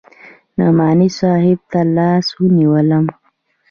نعماني صاحب تر لاس ونيولم.